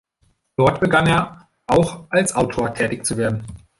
Dort begann er auch als Autor tätig zu werden.